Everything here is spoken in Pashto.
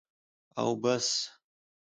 او بس.